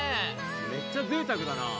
めっちゃぜいたくだな。